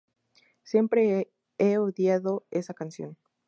Siempre he odiado esa canción.